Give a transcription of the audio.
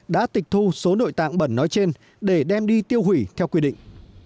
đã tịch thu số nội tạng bẩn nói trên để đem đi tiêu hủy theo quy định